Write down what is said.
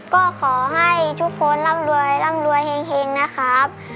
ก็ขอให้ทุกคนร่ำรวยร่ำรวยเฮงนะครับ